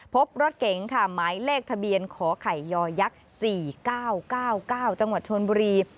พบรถเก๋งค่ะหมายเลขทะเบียนขอไข่ยักษ์๔๙๙๙จังหวัดชนบุรี